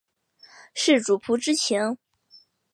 是主仆之情？